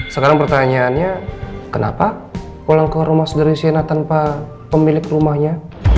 sekarang pertanyaannya kenapa pulang ke rumah sederhana tanpa pemilik rumahnya